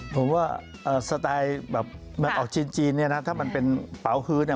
ผมว่าเอ่อสไตล์แบบแบบออกจีนจีนเนี่ยนะถ้ามันเป็นเป๋าฮื้อเนี่ย